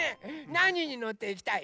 なににのっていきたい？